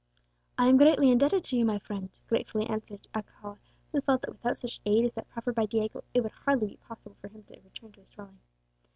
"I am greatly indebted to you, my friend," gratefully answered Alcala, who felt that without such aid as that proffered by Diego, it would be hardly possible for him to return to his dwelling.